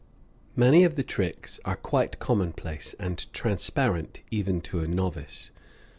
Many of the tricks are quite commonplace and transparent even to a novice.